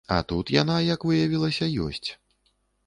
А тут яна, як выявілася, ёсць.